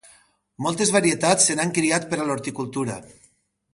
Moltes varietats se n'han criat per a l'horticultura.